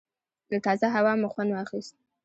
له تازه هوا مو خوند واخیست.